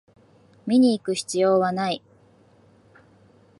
見にいく必要はない